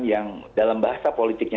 yang dalam bahasa politiknya